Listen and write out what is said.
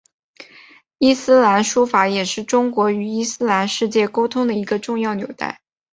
伊斯兰书法也是中国与伊斯兰世界沟通的一个重要纽带。